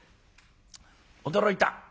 驚いた。